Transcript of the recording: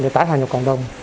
để tải hành vào cộng đồng